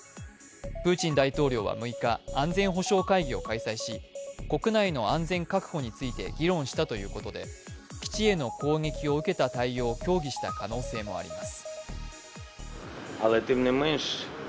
プーチン大統領は６日安全保障会議を開催し国内の安全確保について議論したということで基地への攻撃を受けた対応を協議した可能性もあります。